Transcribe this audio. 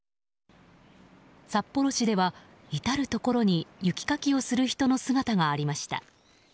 札幌市では至るところに雪かきをする人の姿がありました。